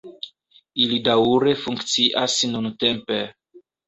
Ili daŭre funkcias nuntempe.